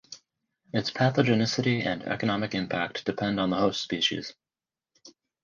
Its pathogenicity and economic impact depend on the host species.